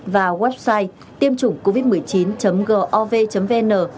và website tiêm chủngcovid một mươi chín gov vn